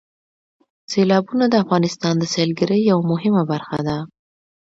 سیلابونه د افغانستان د سیلګرۍ یوه مهمه برخه ده.